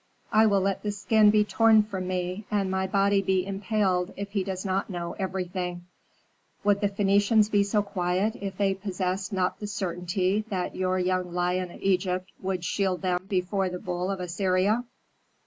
I will let the skin be torn from me, and my body be impaled if he does not know everything." "Would the Phœnicians be so quiet if they possessed not the certainty that your young lion of Egypt would shield them before the bull of Assyria?"